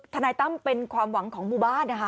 นายตั้มเป็นความหวังของหมู่บ้านนะคะ